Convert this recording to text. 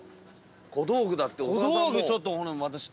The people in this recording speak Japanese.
小道具だって。